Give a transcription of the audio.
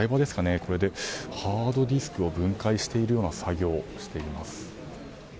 これでハードディスクを分解しているような作業をしています。